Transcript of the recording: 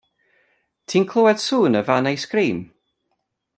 Ti'n clywad sŵn y fan eiscrîm?